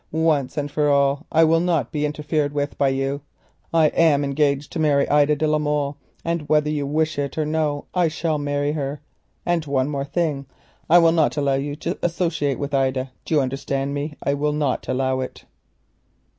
"Once and for all, I will not be interfered with by you. I am engaged to marry Ida de la Molle, and whether you wish it or no I shall marry her. And one more thing. I will not allow you to associate with Ida. Do you understand me? I will not allow it."